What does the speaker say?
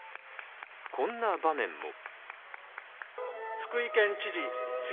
こんな場面も。